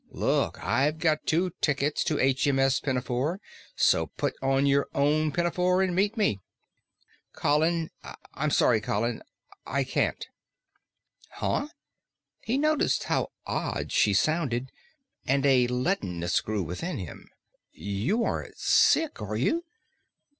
"Look, I've got two tickets to H. M. S. Pinafore. So put on your own pinafore and meet me." "Colin I'm sorry, Colin. I can't." "Huh?" He noticed how odd she sounded, and a leadenness grew within him. "You aren't sick, are you?"